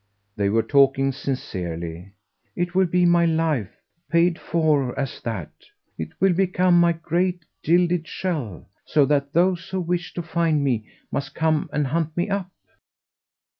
They were talking sincerely. "It will be my life paid for as that. It will become my great gilded shell; so that those who wish to find me must come and hunt me up."